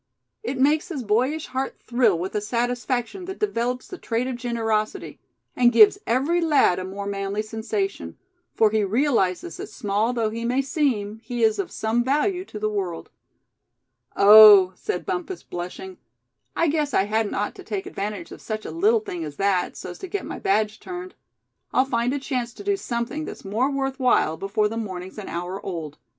It makes his boyish heart thrill with a satisfaction that develops the trait of generosity; and gives every lad a more manly sensation; for he realizes that small though he may seem, he is of some value to the world. "Oh!" said Bumpus, blushing, "I guess I hadn't ought to take advantage of such a little thing as that, so's to get my badge turned. I'll find a chance to do something that's more worth while, before the morning's an hour old.